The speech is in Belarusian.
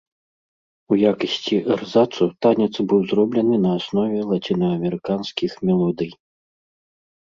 У якасці эрзацу танец быў зроблены на аснове лацінаамерыканскіх мелодый.